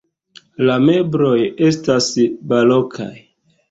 La mebloj estas barokaj.